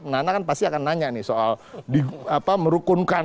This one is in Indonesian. nana kan pasti akan nanya nih soal merukunkan